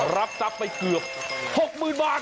รับทรัพย์ไปเกือบหกหมื่นบาท